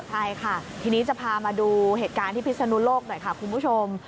ใช่ค่ะทีนี้จะพามาดูเหตุการณ์ที่พิศนุโลกหน่อยค่ะคุณผู้ชม